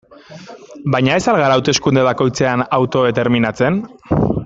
Baina ez al gara hauteskunde bakoitzean autodeterminatzen?